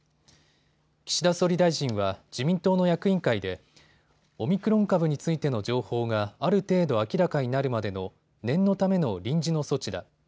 岸田総理大臣は自民党の役員会でオミクロン株についての情報がある程度明らかになるまでの念のための臨時の措置だ。